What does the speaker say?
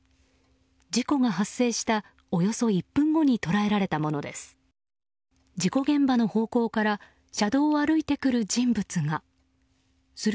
事故が発生したおよそ１分後に捉えられたものです。